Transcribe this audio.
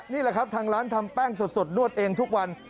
นี่แหละครับทางร้านทำแป้งสดนวดเองทุกวัน